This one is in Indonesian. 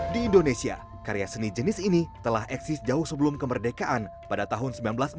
di indonesia karya seni jenis ini telah eksis jauh sebelum kemerdekaan pada tahun seribu sembilan ratus enam puluh